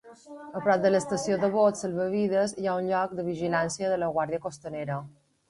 A prop de l'estació de bots salvavides hi ha un lloc de vigilància de la guàrdia costanera.